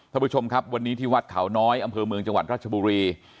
ท่านผู้ชมครับวันนี้ที่วัดเขาน้อยอำเภอเมืองจังหวัดราชบุรี